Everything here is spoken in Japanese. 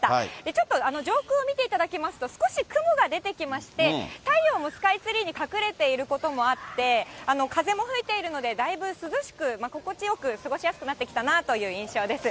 ちょっと上空を見ていただきますと、少し雲が出てきまして、太陽もスカイツリーに隠れていることもあって、風も吹いているので、だいぶ涼しく、心地よく過ごしやすくなってきたなという印象です。